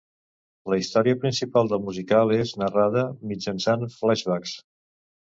La història principal del musical és narrada mitjançant flashbacks.